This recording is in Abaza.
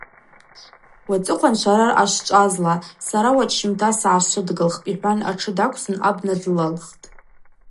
Уацӏыхъван Швара араъа швчӏвазла, сара уачӏвщымта сгӏашвыдгылхпӏ – йхӏван йтшы даквсын абна дылаххтӏ.